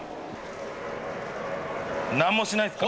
何もしないっすか？